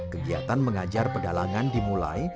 kegiatan mengajar pedalangan dimulai